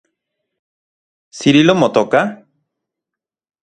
¿Cirilo motoka?